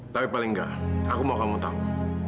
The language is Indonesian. tapi paling enggak aku mau kamu tahu